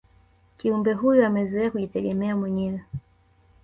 kiumbe huyo amezoea kujitegemea mwenyewe